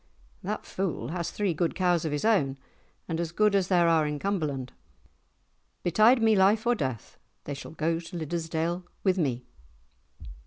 "That fool has three good cows of his own, as good as there are in Cumberland. Betide me life or death, they shall go to Liddesdale with me!"